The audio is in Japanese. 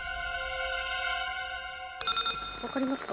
分かりますか？